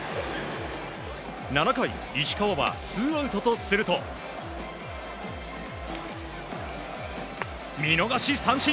７回、石川はツーアウトとすると見逃し三振！